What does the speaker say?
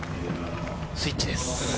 スイッチです。